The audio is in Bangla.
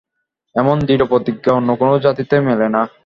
এমন দৃঢ়প্রতিজ্ঞা অন্য কোন জাতিতে মেলে না।